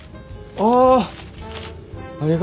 ああ！